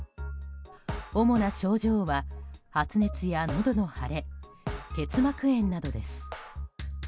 主な症状は発熱やのどの腫れ結膜炎などです。